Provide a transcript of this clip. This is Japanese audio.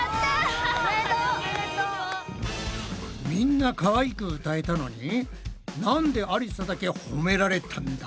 みんなかわいく歌えたのになんでありさだけ褒められたんだ？